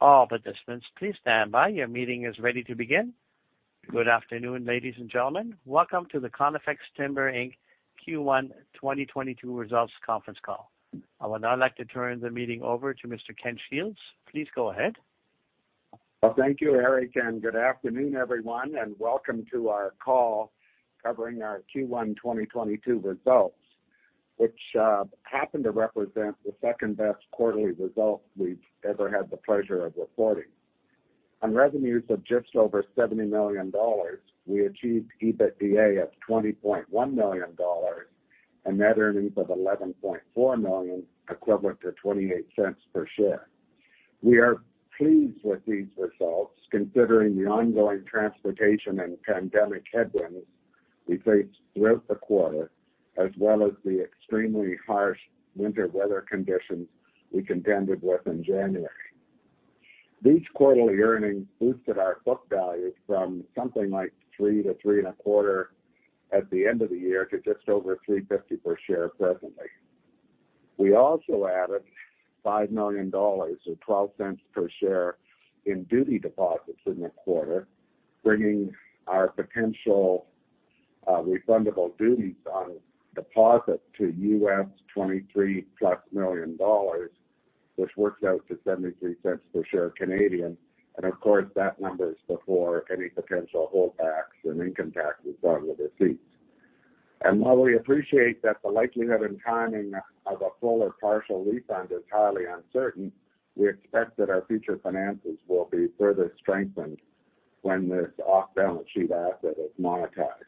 All participants, please stand by. Your meeting is ready to begin. Good afternoon, ladies and gentlemen. Welcome to the Conifex Timber Inc. Q1 2022 Results Conference Call. I would now like to turn the meeting over to Mr. Ken Shields. Please go ahead. Well, thank you, Eric, and good afternoon, everyone, and welcome to our call covering our Q1 2022 results, which happen to represent the second-best quarterly results we've ever had the pleasure of reporting. On revenues of just over 70 million dollars, we achieved EBITDA of 20.1 million dollars and net earnings of 11.4 million, equivalent to 0.28 per share. We are pleased with these results considering the ongoing transportation and pandemic headwinds we faced throughout the quarter as well as the extremely harsh winter weather conditions we contended with in January. These quarterly earnings boosted our book values from something like 3 to 3.25 at the end of the year to just over 3.50 per share presently. We also added 5 million dollars or 0.12 per share in duty deposits in the quarter, bringing our potential refundable duties on deposit to $23+ million, which works out to 0.73 per share Canadian. Of course, that number is before any potential holdbacks and income taxes are received. While we appreciate that the likelihood and timing of a full or partial refund is highly uncertain, we expect that our future finances will be further strengthened when this off-balance sheet asset is monetized.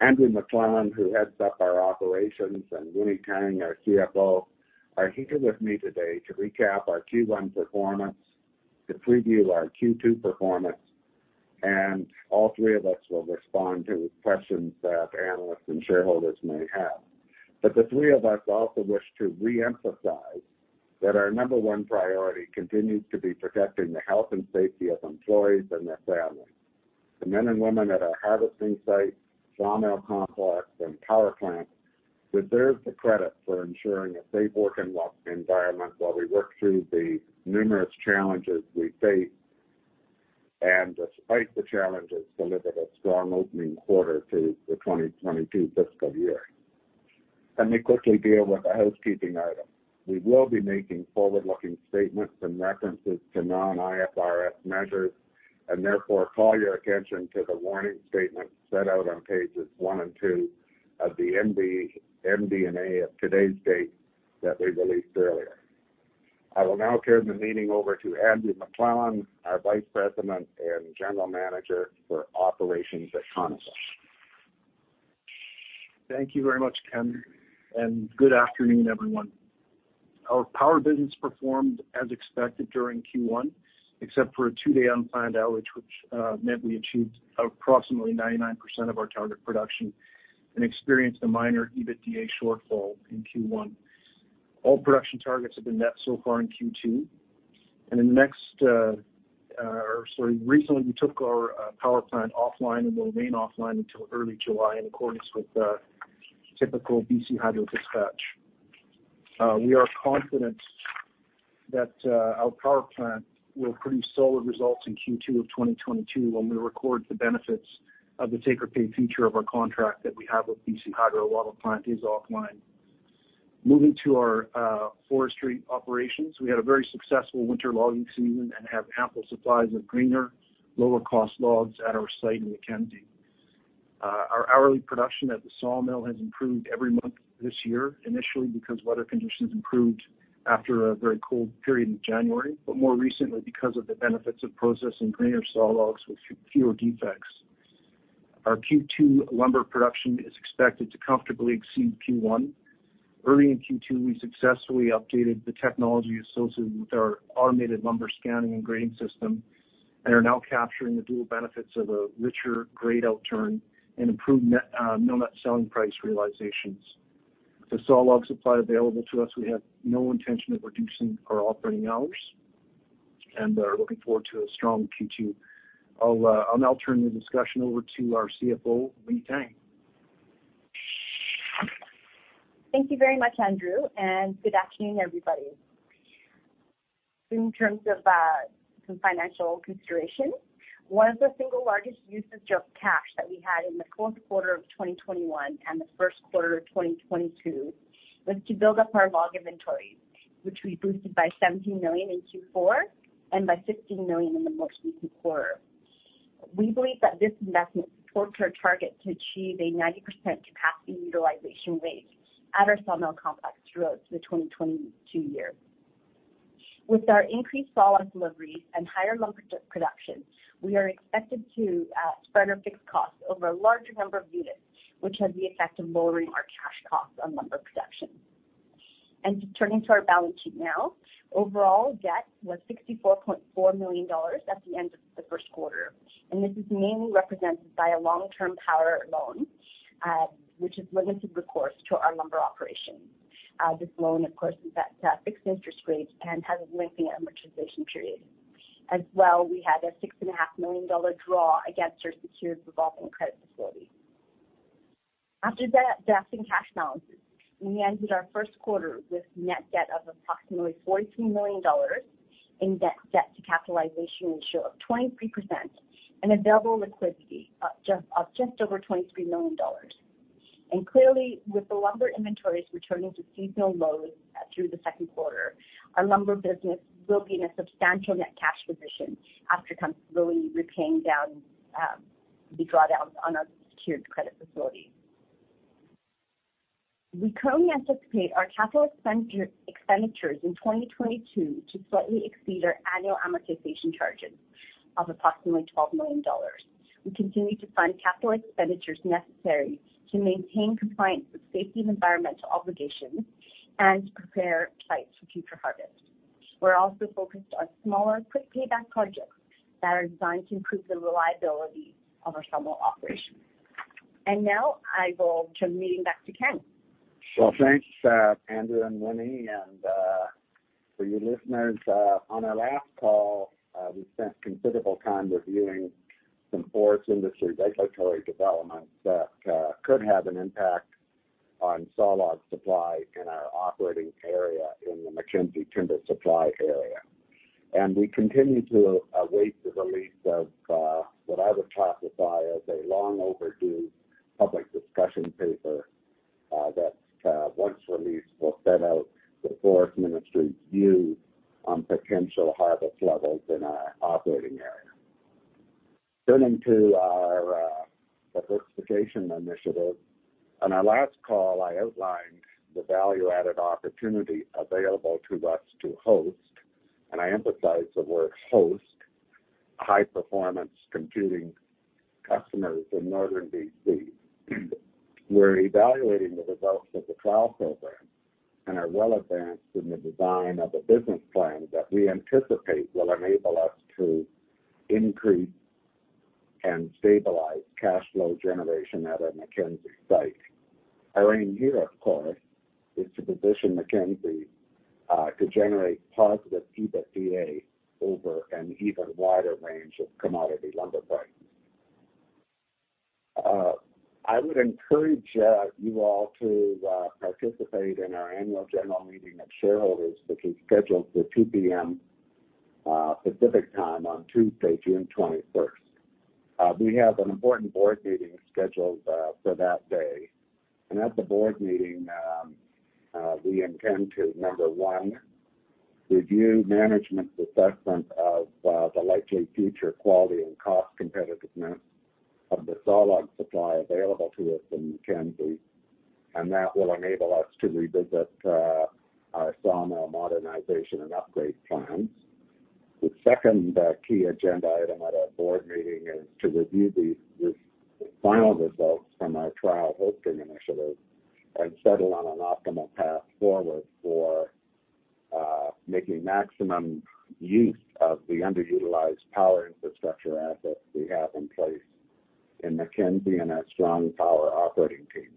Andrew McLellan, who heads up our operations, and Winny Tang, our CFO, are here with me today to recap our Q1 performance, to preview our Q2 performance, and all three of us will respond to questions that analysts and shareholders may have. The three of us also wish to reemphasize that our number one priority continues to be protecting the health and safety of employees and their families. The men and women at our harvesting sites, sawmill complex, and power plant deserve the credit for ensuring a safe working environment while we work through the numerous challenges we face, and despite the challenges, delivered a strong opening quarter to the 2022 fiscal year. Let me quickly deal with a housekeeping item. We will be making forward-looking statements and references to non-IFRS measures and therefore call your attention to the warning statement set out on pages one and two of the MD&A of today's date that we released earlier. I will now turn the meeting over to Andrew McLellan, our Vice President and General Manager for operations at Conifex. Thank you very much, Ken, and good afternoon, everyone. Our power business performed as expected during Q1, except for a two-day unplanned outage, which meant we achieved approximately 99% of our target production and experienced a minor EBITDA shortfall in Q1. All production targets have been met so far in Q2. Recently, we took our power plant offline and will remain offline until early July in accordance with the typical BC Hydro dispatch. We are confident that our power plant will produce solid results in Q2 of 2022 when we record the benefits of the take-or-pay feature of our contract that we have with BC Hydro while the plant is offline. Moving to our forestry operations, we had a very successful winter logging season and have ample supplies of greener, lower-cost logs at our site in Mackenzie. Our hourly production at the sawmill has improved every month this year, initially because weather conditions improved after a very cold period in January, but more recently because of the benefits of processing greener sawlogs with fewer defects. Our Q2 lumber production is expected to comfortably exceed Q1. Early in Q2, we successfully updated the technology associated with our automated lumber scanning and grading system and are now capturing the dual benefits of a richer grade outturn and improved net, mill net selling price realizations. The sawlog supply available to us, we have no intention of reducing our operating hours and are looking forward to a strong Q2. I'll now turn the discussion over to our CFO, Winny Tang. Thank you very much, Andrew, and good afternoon, everybody. In terms of some financial considerations, one of the single largest uses of cash that we had in the Q4 of 2021 and the Q1 of 2022 was to build up our log inventories, which we boosted by 17 million in Q4 and by 15 million in the most recent quarter. We believe that this investment supports our target to achieve a 90% capacity utilization rate at our sawmill complex throughout the 2022 year. With our increased sawlog deliveries and higher lumber production, we are expected to spread our fixed costs over a larger number of units, which has the effect of lowering our cash costs on lumber production. Turning to our balance sheet now. Overall debt was 64.4 million dollars at the end of the Q1, and this is mainly represented by a long-term power loan, which has limited recourse to our lumber operations. This loan, of course, is at a fixed interest rate and has a lengthy amortization period. As well, we had a 6.5 million dollar draw against our secured revolving credit facility. After deducting cash balances, we ended our Q1 with net debt of approximately 42 million dollars, debt to capitalization ratio of 23% and available liquidity of just over 23 million dollars. Clearly, with the lumber inventories returning to seasonal lows through the Q2, our lumber business will be in a substantial net cash position after completely paying down the drawdowns on our secured credit facility. We currently anticipate our capital expenditure, expenditures in 2022 to slightly exceed our annual amortization charges of approximately 12 million dollars. We continue to fund capital expenditures necessary to maintain compliance with safety and environmental obligations and to prepare sites for future harvest. We're also focused on smaller, quick payback projects that are designed to improve the reliability of our saw mill operations. Now, I will turn the meeting back to Ken. Well, thanks, Andrew and Winny-. For you listeners, on our last call, we spent considerable time reviewing some forest industry regulatory developments that could have an impact on saw log supply in our operating area in the Mackenzie Timber Supply area. We continue to await the release of what I would classify as a long overdue public discussion paper that, once released, will set out the Forest Ministry's view on potential harvest levels in our operating area. Turning to our diversification initiative. On our last call, I outlined the value-added opportunity available to us to host, and I emphasize the word host, high performance computing customers in Northern BC. We're evaluating the results of the trial program and are well advanced in the design of a business plan that we anticipate will enable us to increase and stabilize cash flow generation at our Mackenzie site. Our aim here, of course, is to position Mackenzie to generate positive EBITDA over an even wider range of commodity lumber prices. I would encourage you all to participate in our annual general meeting of shareholders, which is scheduled for 2:00 P.M. Pacific Time on Tuesday, June 21. We have an important board meeting scheduled for that day. At the board meeting, we intend to, number one, review management's assessment of the likely future quality and cost competitiveness of the saw log supply available to us in Mackenzie, and that will enable us to revisit our saw mill modernization and upgrade plans. The second key agenda item at our board meeting is to review the final results from our trial hosting initiative and settle on an optimal path forward for making maximum use of the underutilized power infrastructure assets we have in place in Mackenzie and our strong power operating team.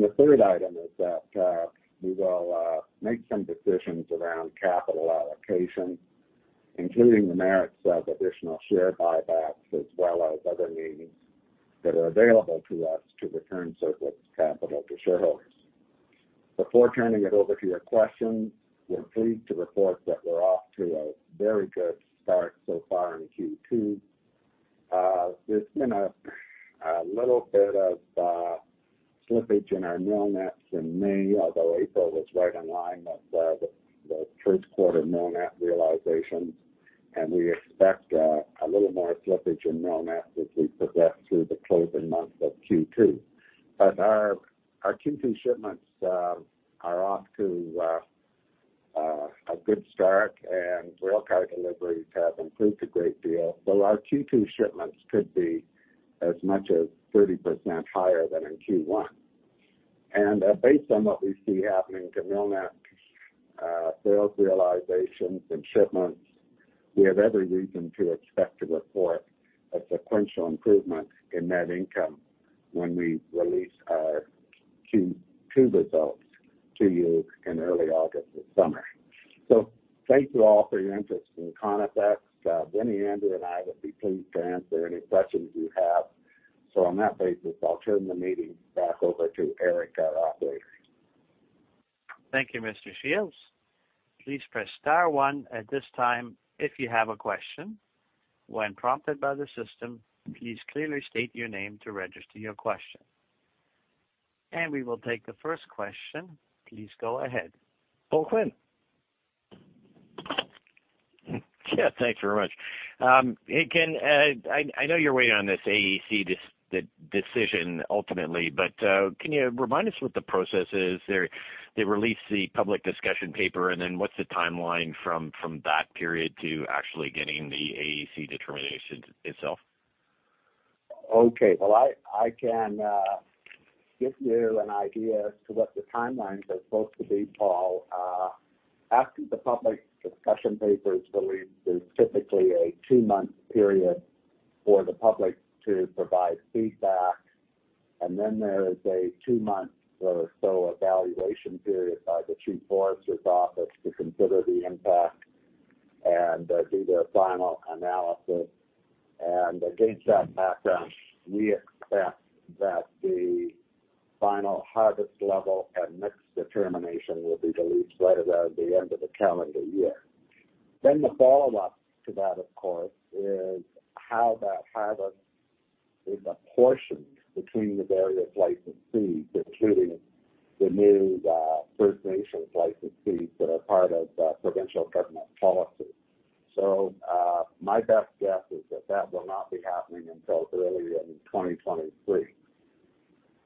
The third item is that we will make some decisions around capital allocation, including the merits of additional share buybacks as well as other means that are available to us to return surplus capital to shareholders. Before turning it over to your questions, we're pleased to report that we're off to a very good start so far in Q2. There's been a little bit of slippage in our mill net in May, although April was right in line with the Q1 mill net realization, and we expect a little more slippage in mill net as we progress through the closing months of Q2. Our Q2 shipments are off to a good start, and railcar deliveries have improved a great deal, so our Q2 shipments could be as much as 30% higher than in Q1. Based on what we see happening to mill net, sales realizations and shipments, we have every reason to expect to report a sequential improvement in net income when we release our Q2 results to you in early August this summer. Thank you all for your interest in Conifex. Winny, Andrew, and I would be pleased to answer any questions you have. On that basis, I'll turn the meeting back over to Eric, our operator. Thank you, Mr. Shields. Please press star one at this time if you have a question. When prompted by the system, please clearly state your name to register your question. We will take the first question. Please go ahead. Paul Quinn. Yeah, thanks very much. Ken, I know you're waiting on this AAC decision ultimately, but can you remind us what the process is? They release the public discussion paper, and then what's the timeline from that period to actually getting the AAC determination itself? Okay. Well, I can give you an idea as to what the timelines are supposed to be, Paul. After the public discussion paper is released, there's typically a two-month period for the public to provide feedback, and then there is a two-month or so evaluation period by the Chief Forester's office to consider the impact and do their final analysis. Against that background, we expect that the final harvest level and mix determination will be released right about the end of the calendar year. The follow-up to that, of course, is how that harvest is apportioned between the various licensees, including the new First Nations licensees that are part of the provincial government policy. My best guess is that that will not be happening until early in 2023.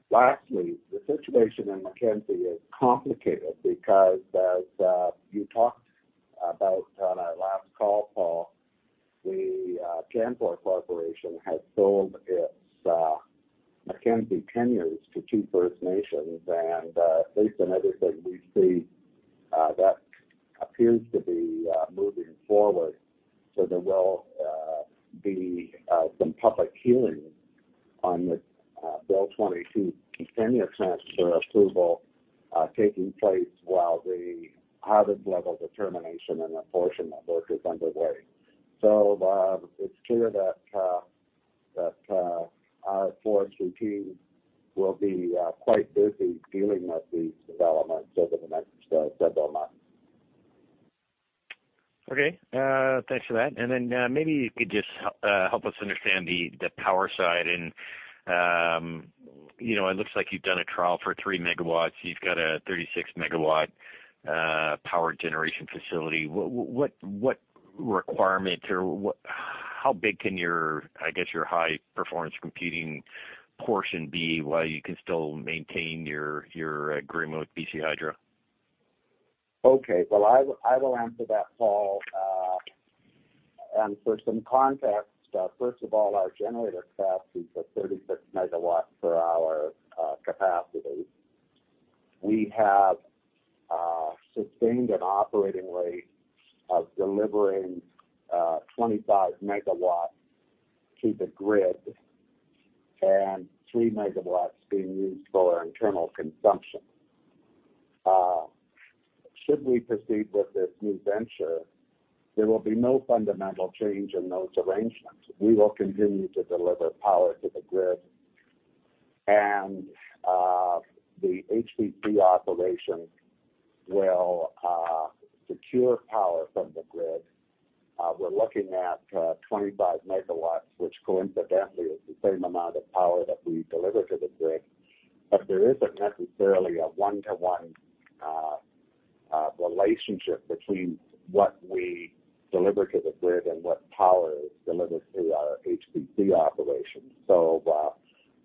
Lastly, the situation in Mackenzie is complicated because as you talked about on our last call, Paul, the Conifex Timber Inc. has sold its Mackenzie tenures to two First Nations. Based on everything we see, that appears to be moving forward. There will be some public hearings on the Bill 22 tenure transfer approval taking place while the harvest level determination and apportionment of work is underway. It's clear that our forestry team will be quite busy dealing with these developments over the next several months. Okay. Thanks for that. Maybe you could just help us understand the power side. You know, it looks like you've done a trial for 3-MW. You've got a 36-MW power generation facility. What requirement or what? How big can your, I guess, your high performance computing portion be while you can still maintain your agreement with BC Hydro? Okay. Well, I will answer that, Paul. For some context, first of all, our generator capacity is a 36-MW per hour capacity. We have sustained an operating rate of delivering 25-MW to the grid and 3-MW being used for our internal consumption. Should we proceed with this new venture, there will be no fundamental change in those arrangements. We will continue to deliver power to the grid, and the HPC operation will secure power from the grid. We're looking at 25-MW, which coincidentally is the same amount of power that we deliver to the grid. There isn't necessarily a one-to-one relationship between what we deliver to the grid and what power is delivered through our HPC operations.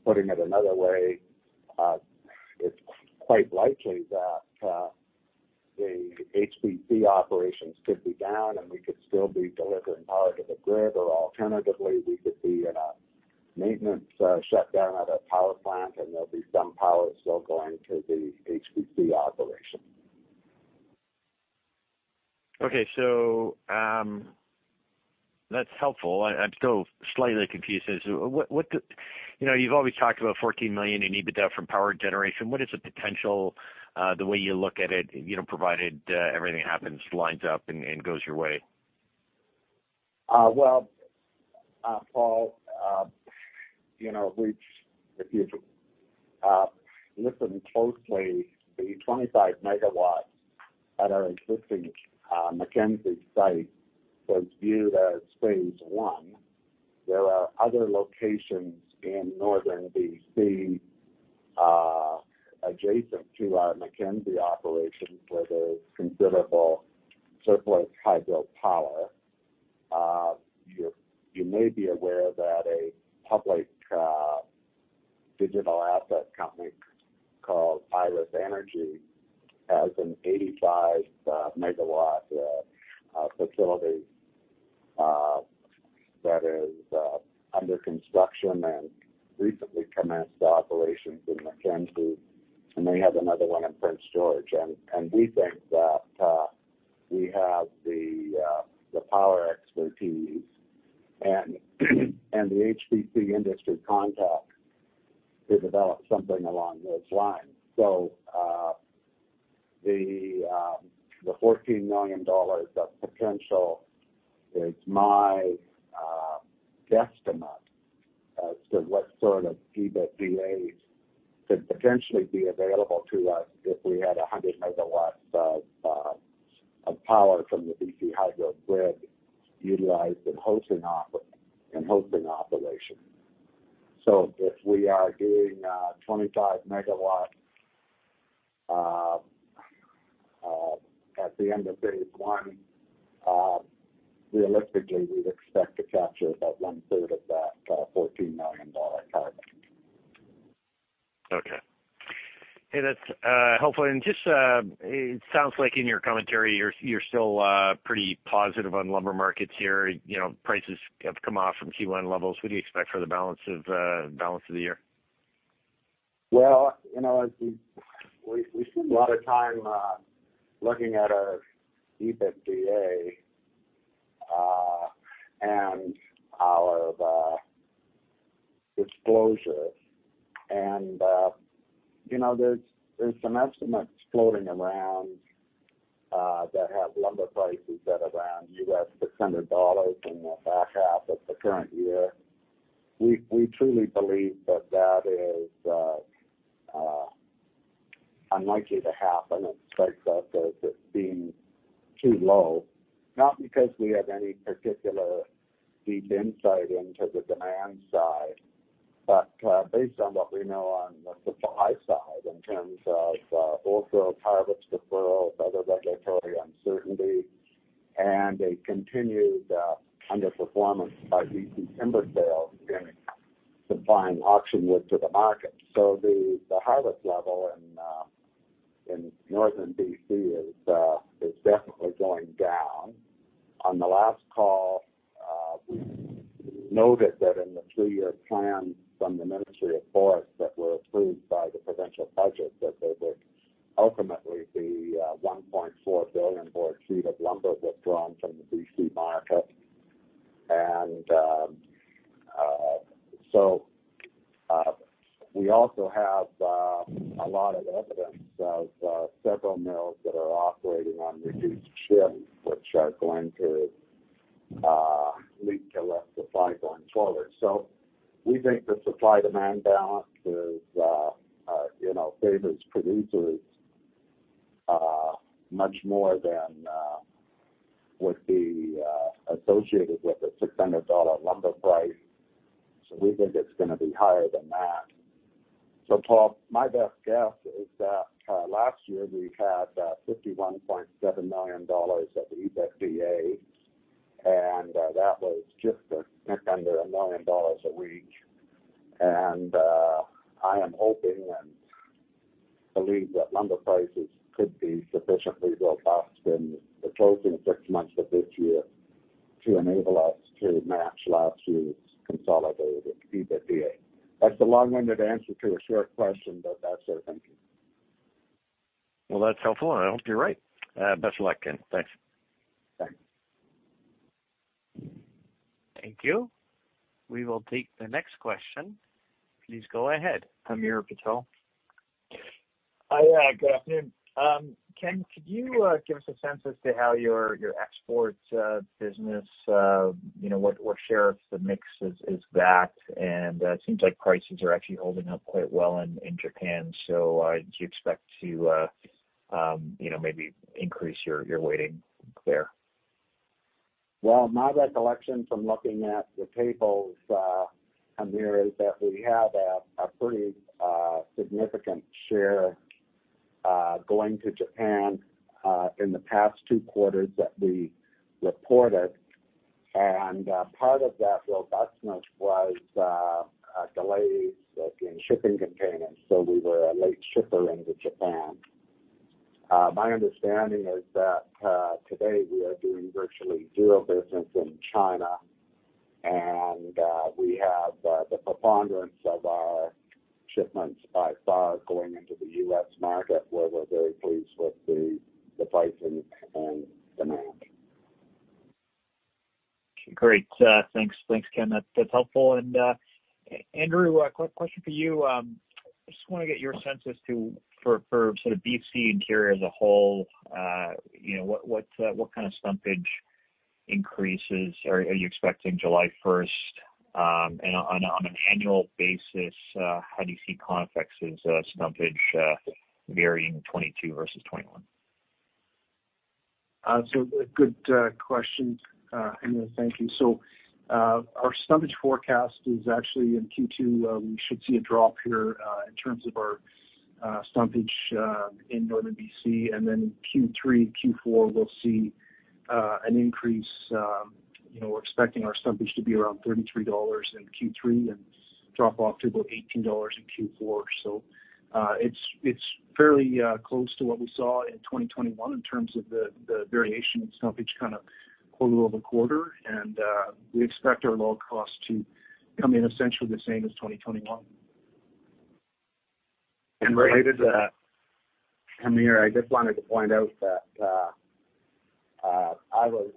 Putting it another way, it's quite likely that the HPC operations could be down, and we could still be delivering power to the grid. Alternatively, we could be in a maintenance shutdown at a power plant, and there'll be some power still going to the HPC operation. Okay. That's helpful. I'm still slightly confused as what the. You know, you've always talked about 14 million in EBITDA from power generation. What is the potential, the way you look at it, you know, provided everything happens, lines up, and goes your way? Paul, you know, if you listen closely, the 25-MW at our existing Mackenzie site was viewed as phase one. There are other locations in Northern BC adjacent to our Mackenzie operations, where there's considerable surplus hydro power. You may be aware that a public digital asset company called Iris Energy has an 85-MW facility that is under construction and recently commenced operations in Mackenzie, and they have another one in Prince George. We think that we have the power expertise and the HPC industry contacts to develop something along those lines. The 14 million dollars of potential is my guesstimate as to what sort of EBITDA could potentially be available to us if we had 100-MW of power from the BC Hydro grid utilized in hosting operations. If we are doing 25-MW at the end of phase one, realistically, we'd expect to capture about one third of that 14 million dollar target. Okay. Hey, that's helpful. Just, it sounds like in your commentary, you're still pretty positive on lumber markets here. You know, prices have come off from Q1 levels. What do you expect for the balance of the year? Well, you know, we spend a lot of time looking at our EBITDA. In our disclosure. You know, there's some estimates floating around that have lumber prices at around $600 in the back half of the current year. We truly believe that is unlikely to happen. It strikes us as it being too low, not because we have any particular deep insight into the demand side, but based on what we know on the supply side in terms of old-growth harvest deferrals, other regulatory uncertainty, and a continued underperformance by BC Timber Sales in supplying auction wood to the market. The harvest level in northern BC is definitely going down. On the last call, we noted that in the two-year plan from the Ministry of Forests that were approved by the provincial budget, that there would ultimately be 1.4 billion board feet of lumber withdrawn from the BC market. We also have a lot of evidence of several mills that are operating on reduced shifts which are going to lead to less supply going forward. We think the supply-demand balance is, you know, favors producers much more than would be associated with a $600 lumber price. We think it's gonna be higher than that. Paul, my best guess is that last year we had 51.7 million dollars of EBITDA, and that was just a tick under 1 million dollars a week. I am hoping and believe that lumber prices could be sufficiently robust in the closing six months of this year to enable us to match last year's consolidated EBITDA. That's a long-winded answer to a short question, but that's our thinking. Well, that's helpful, and I hope you're right. Best of luck, Ken. Thanks. Thanks. Thank you. We will take the next question. Please go ahead, Hamir Patel. Hi. Yeah, good afternoon. Ken, could you give us a sense as to how your export business you know what share of the mix is that? It seems like prices are actually holding up quite well in Japan. Do you expect to you know maybe increase your weighting there? Well, my recollection from looking at the tables, Hamir, is that we have a pretty significant share going to Japan in the past two quarters that we reported. Part of that robustness was delays in shipping containers, so we were a late shipper into Japan. My understanding is that today we are doing virtually zero business in China, and we have the preponderance of our shipments by far going into the U.S. market, where we're very pleased with the pricing and demand. Great. Thanks. Thanks, Ken. That's helpful. Andrew, a quick question for you. I just wanna get your sense as to, for sort of BC Interior as a whole, what kind of stumpage increases are you expecting July first? On an annual basis, how do you see Conifex stumpage varying 2022 versus 2021? A good question, Hamir. Thank you. Our stumpage forecast is actually in Q2. We should see a drop here in terms of our stumpage in northern BC. In Q3, Q4, we'll see an increase. You know, we're expecting our stumpage to be around 33 dollars in Q3 and drop off to about 18 dollars in Q4. It's fairly close to what we saw in 2021 in terms of the variation in stumpage kind of quarter-over-quarter. We expect our log costs to come in essentially the same as 2021. Related to that, Hamir, I just wanted to point out that, I was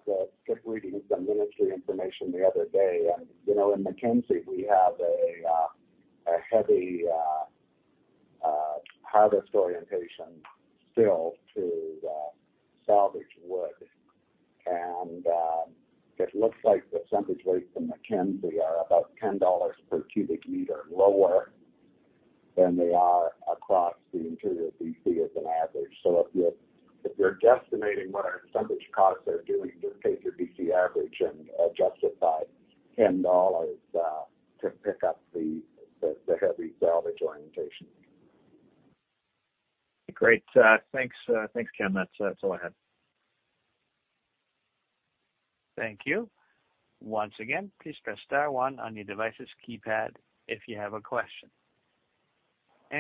just reading some ministry information the other day, and you know, in Mackenzie, we have a heavy harvest orientation still to salvage wood. It looks like the stumpage rates in Mackenzie are about 10 dollars per cubic meter lower than they are across the Interior BC as an average. If you're guesstimating what our stumpage costs are doing, just take your BC average and adjust it by 10 dollars to pick up the heavy salvage orientation. Great. Thanks. Thanks, Ken. That's all I had. Thank you. Once again, please press star one on your device's keypad if you have a question.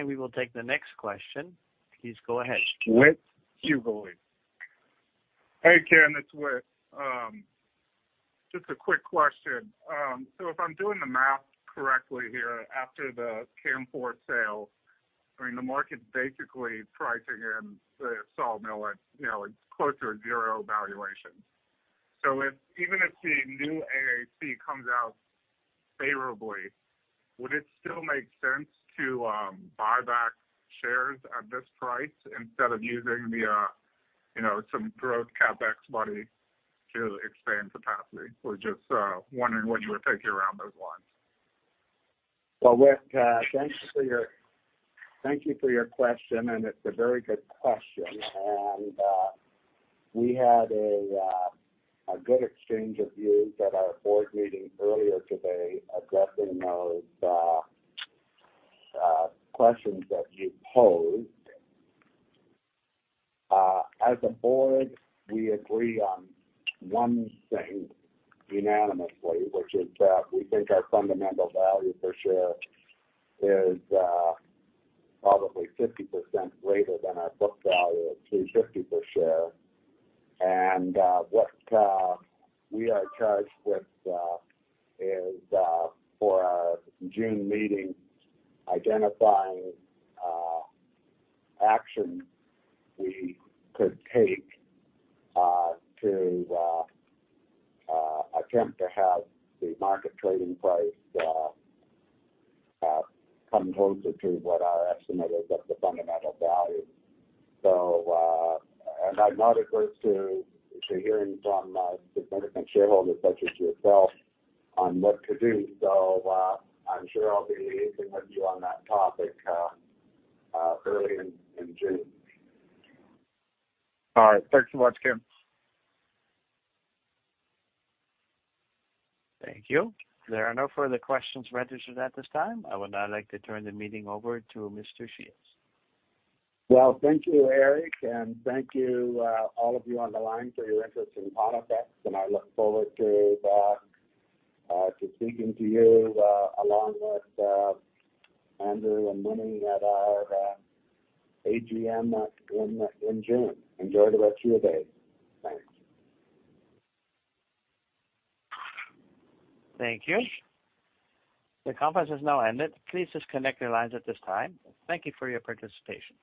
We will take the next question. Please go ahead. Whit Duguid. Hey, Ken. It's Whit. Just a quick question. If I'm doing the math correctly here, after the Conifex sale, I mean, the market's basically pricing in the saw mill at, you know, it's closer to zero valuation. Even if the new AAC comes out favorably, would it still make sense to buy back shares at this price instead of using the, you know, some growth CapEx money to expand capacity? We're just wondering what you were thinking around those lines. Well, Rick, thank you for your question, and it's a very good question. We had a good exchange of views at our board meeting earlier today addressing those questions that you posed. As a board, we agree on one thing unanimously, which is that we think our fundamental value per share is probably 50% greater than our book value of 2.50 per share. What we are charged with is, for our June meeting, identifying action we could take to attempt to have the market trading price come closer to what our estimate is of the fundamental value. I'm not averse to hearing from a significant shareholder such as yourself on what to do. I'm sure I'll be in touch with you on that topic early in June. All right. Thanks so much, Kem. Thank you. There are no further questions registered at this time. I would now like to turn the meeting over to Mr. Shields. Well, thank you, Eric, and thank you, all of you on the line for your interest in Conifex. I look forward to speaking to you along with Andrew and Winny at our AGM in June. Enjoy the rest of your day. Thanks. Thank you. The conference has now ended. Please disconnect your lines at this time. Thank you for your participation.